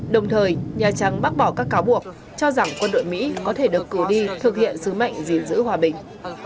đồng thời nhà trắng bác bỏ các cáo buộc cho rằng quân đội mỹ có thể được cử đi thực hiện sứ mệnh gìn giữ hòa bình